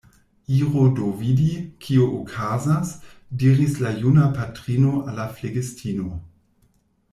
Iru do vidi, kio okazas, diris la juna patrino al la flegistino.